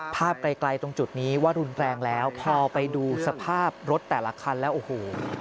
ไกลไกลตรงจุดนี้ว่ารุนแรงแล้วพอไปดูสภาพรถแต่ละคันแล้วโอ้โห